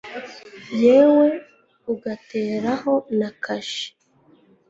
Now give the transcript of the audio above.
yewe ugateraho na kashi